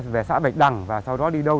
về xã bạch đằng và sau đó đi đâu